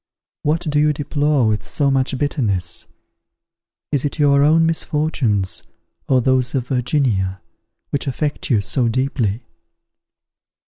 What do you deplore with so much bitterness? Is it your own misfortunes, or those of Virginia, which affect you so deeply?